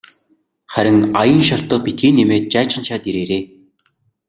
Харин аян шалтаг битгий нэмээд жайжганачхаад ирээрэй.